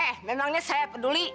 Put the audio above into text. eh memangnya saya peduli